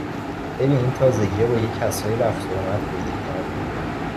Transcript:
ببین این تازگیا با یه کسایی رفت و آمد پیدا کرده